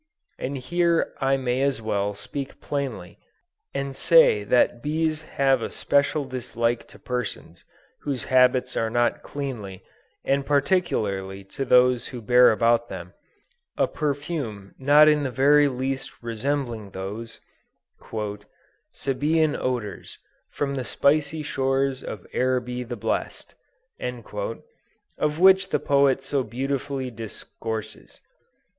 And here I may as well speak plainly, and say that bees have a special dislike to persons whose habits are not cleanly, and particularly to those who bear about them, a perfume not in the very least resembling those "Sabean odors From the spicy shores of Araby the blest," of which the poet so beautifully discourses.